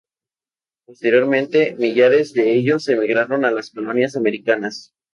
Posteriormente millares de ellos emigraron a las colonias americanas.